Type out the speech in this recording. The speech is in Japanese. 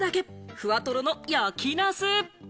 ふわとろの焼きなす！